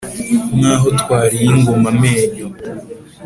nk’aho twariye ingoma amenyo